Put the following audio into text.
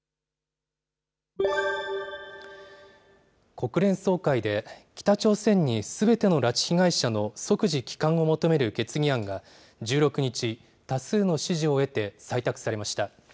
国連総会で、北朝鮮にすべての拉致被害者の即時帰還を求める決議案が１６日、多数の支持を得て、採択されました。